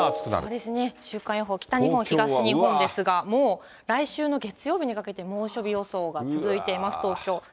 そうですね、週間予報、北日本、東日本ですが、もう来週の月曜日にかけて猛暑日予想が続いています。